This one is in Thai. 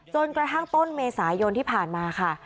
จนกระทั่งต้นเมษายนที่ผ่านมาค่ะ